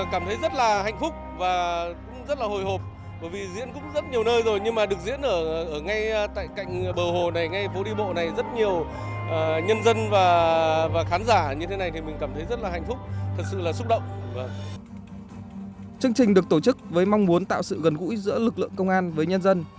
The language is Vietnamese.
chương trình được tổ chức với mong muốn tạo sự gần gũi giữa lực lượng công an với nhân dân